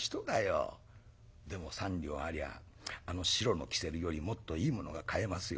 でも３両ありゃあの白のきせるよりもっといいものが買えますよ。